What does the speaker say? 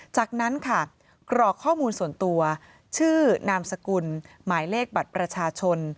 จากนั้นค่ะกรอกข้อมูลส่วนตัวชื่อนามสกุลหมายเลขบัตรประชาชน